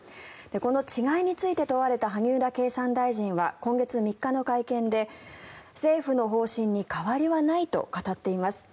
この違いについて問われた萩生田経産大臣は今月３日の会見で政府の方針に変わりはないと語っています。